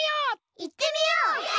いってみよう！